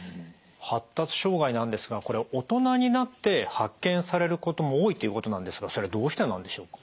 発達障害なんですが大人になって発見されることも多いっていうことなんですがそれはどうしてなんでしょうか？